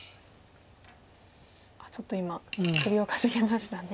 ちょっと今首をかしげましたね。